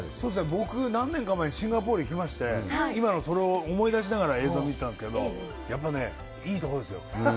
僕、何年か前にシンガポールに行きまして、今のそれを思い出しながら映像を見たんですけど、やっぱね、いいところですよ。